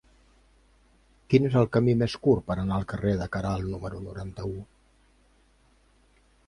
Quin és el camí més curt per anar al carrer de Queralt número noranta-u?